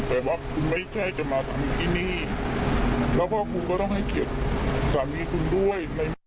แต่ว่าคุณไม่ใช่จะมาทำที่นี่แล้วพ่อคุณก็ต้องให้เกียรติสามีคุณด้วย